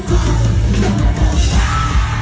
สงหญิงสาแต่ยังไหว